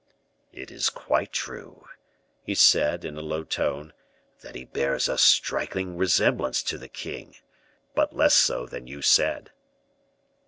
"It is quite true," he said, in a low tone, "that he bears a striking resemblance to the king; but less so than you said."